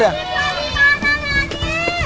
di mana nadif